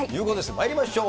まいりましょう。